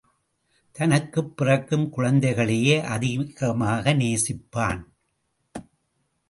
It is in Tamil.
தனக்குப் பிறக்கும் குழந்தைகளையே அதிகமாக நேசிப்பான்.